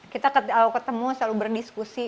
kita ketemu selalu berdiskusi